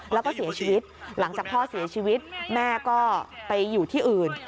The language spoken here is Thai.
แล้วก็เสียชีวิตหลังจากพ่อเสียชีวิตแม่ก็ไปอยู่ที่อื่น